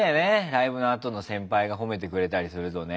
ライブのあとの先輩が褒めてくれたりするとね。